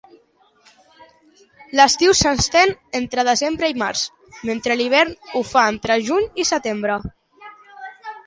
L'estiu s'estén entre desembre i març, mentre l'hivern ho fa entre juny i setembre.